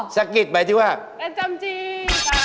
สกิรกิจหมายถึงว่าเป็นจำจริง